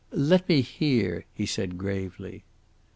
"Let me hear," he said gravely.